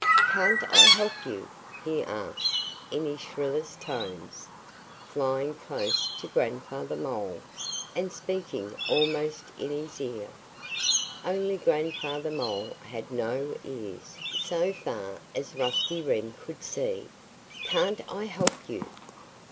"Can't I help you?" he asked in his shrillest tones, flying close to Grandfather Mole and speaking almost in his ear only Grandfather Mole had no ears, so far as Rusty Wren could see. "Can't I help you?"